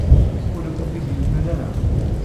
Ur akent-t-id-yemla ara.